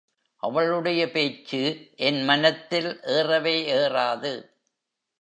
அவளுடைய பேச்சு என் மனத்தில் ஏறவே ஏறாது.